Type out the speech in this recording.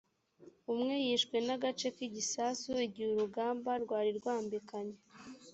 umwe yishwe n agace k igisasu igihe urugamba rwari rwambikanye